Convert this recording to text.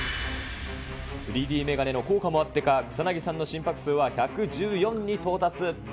３Ｄ眼鏡の効果もあってか、草薙さんの心拍数は１１４に到達。